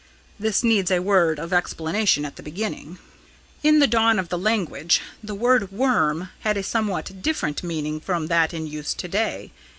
This needs a word of explanation at the beginning. "In the dawn of the language, the word 'worm' had a somewhat different meaning from that in use to day.